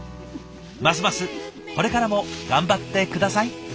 ますますこれからも頑張って下さい。